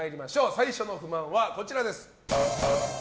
最初の不満はこちら。